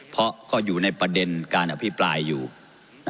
เพราะก็อยู่ในประเด็นการอภิปรายอยู่